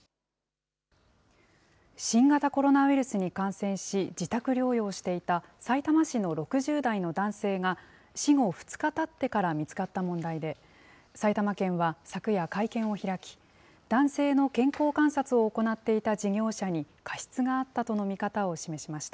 新型コロナウイルスに感染し、自宅療養していたさいたま市の６０代の男性が、死後２日たってから見つかった問題で、埼玉県は昨夜、会見を開き、男性の健康観察を行っていた事業者に、過失があったとの見方を示しました。